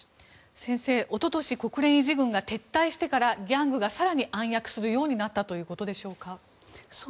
先生、一昨年国連維持軍が撤退してからギャングが更に暗躍するようになったということでしょうか。